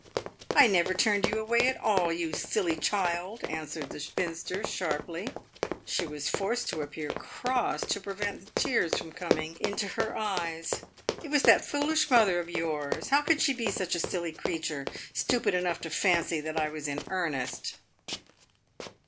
" I never turned you away at all, you silly child," answered the spinster, sharply. She was forced to appear cross to prevent the tears from coming into her eyes. "It was that foolish mother of yours. How could she be such a silly creature !— stupid enough to fancy that I was in earnest